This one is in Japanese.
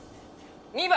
２番。